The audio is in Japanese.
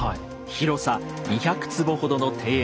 広さ２００坪ほどの庭園